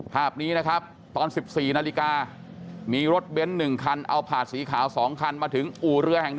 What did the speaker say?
ภาพนี้นะครับตอน๑๔นาฬิกามีรถเบ้น๑คันเอาผาดสีขาว๒คันมาถึงอู่เรือแห่ง๑